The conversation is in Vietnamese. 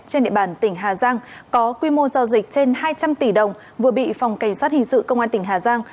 trên địa bàn tỉnh hà giang có quy mô giao dịch trên hai trăm linh tỷ đồng vừa bị phòng cảnh sát hình sự công an tỉnh hà giang